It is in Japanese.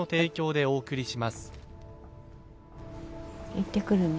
行ってくるね。